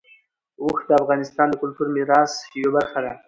اوښ د افغانستان د کلتوري میراث یوه برخه ده.